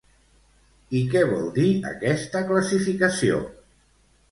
I què vol dir aquesta classificació?